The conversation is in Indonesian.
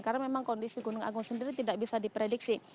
karena memang kondisi gunung agung sendiri tidak bisa diprediksi